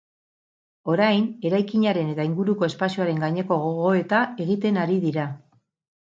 Orain, eraikinaren eta inguruko espazioaren gaineko gogoeta egiten ari dira.